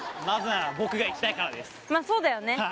まぁそうだよね。